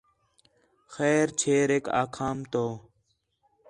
خیر چھیریک آکھام تو